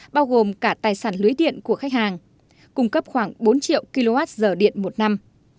bao gồm cả tài sản lưới điện của khách hàng cung cấp khoảng bốn triệu kwh điện một năm